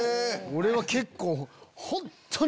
俺は結構。